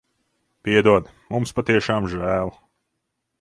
Piedod. Mums patiešām žēl.